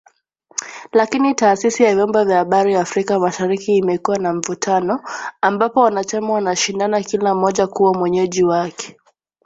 Lakini Taasisi ya Vyombo vya Habari Afrika Mashariki imekuwa na mvutano, ambapo wanachama wanashindana kila mmoja kuwa mwenyeji wake